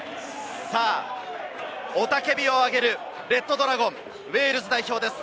雄たけびを上げるレッドドラゴン、ウェールズ代表です。